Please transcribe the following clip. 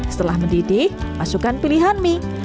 setelah mendidih masukkan pilihan mie